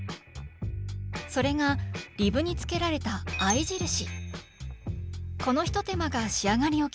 それがリブにつけられた合い印。